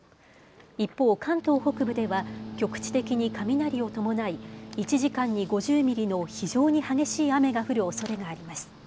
一方、関東北部では局地的に雷を伴い１時間に５０ミリの非常に激しい雨が降るおそれがあります。